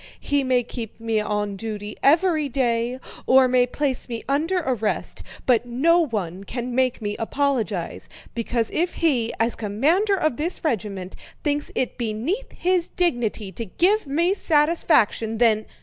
He may keep me on duty every day, or may place me under arrest, but no one can make me apologize, because if he, as commander of this regiment, thinks it beneath his dignity to give me satisfaction, then..."